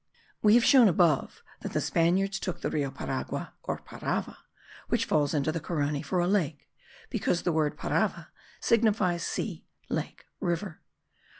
We have shown above that the Spaniards took the Rio Paragua, or Parava, which falls into the Carony, for a lake, because the word parava signifies sea, lake, river.